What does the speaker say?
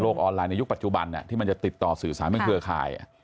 ออนไลน์ในยุคปัจจุบันที่มันจะติดต่อสื่อสารเป็นเครือข่าย